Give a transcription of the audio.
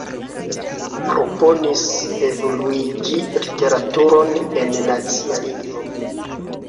Proponis evoluigi literaturon en nacia lingvo.